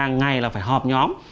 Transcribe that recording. hàng ngày là phải họp nhóm